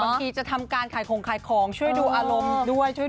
ทีจะทำการขายของขายของช่วยดูอารมณ์ด้วย